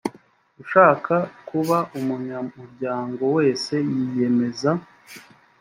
ushaka kuba umunyamuryango wese yiyemeza